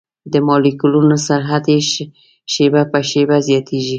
د مالیکولونو سرعت یې شېبه په شېبه زیاتیږي.